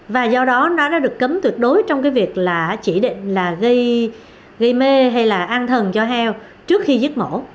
và do đó nó đã được cấm tuyệt đối trong cái việc là chỉ định là gây mê hay là an thần cho heo trước khi giết mổ